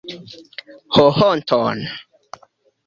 Ho honton!